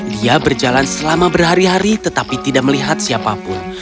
dia berjalan selama berhari hari tetapi tidak melihat siapapun